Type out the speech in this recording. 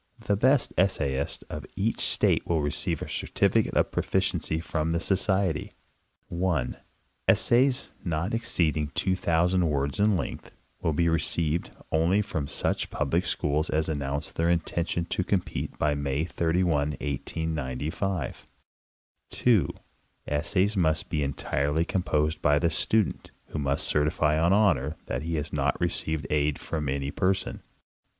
The best essayist of each state will receive a certifi cate of proficiency from the Society. 1. Essays, not exceeding 2,000 words in length, will be re ceived only from such public schools as announce their inten tion to compete by May 31, 1895. 2. Essays must be entirely composed by the student, who must certify on honor that he has not received aid from any person.